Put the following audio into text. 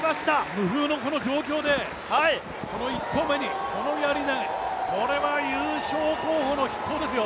無風のこの状況でこの１投目にこのやり、これは優勝候補の筆頭ですよ。